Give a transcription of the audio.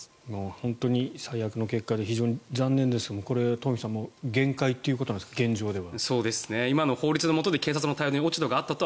本当に最悪の結果で非常に残念ですがこれ、東輝さん限界ということなんですかね現状では。